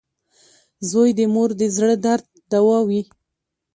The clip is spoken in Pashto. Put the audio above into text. • زوی د مور د زړۀ درد دوا وي.